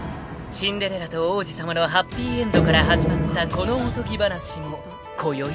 ［シンデレラと王子様のハッピーエンドから始まったこのおとぎ話もこよいで終わり］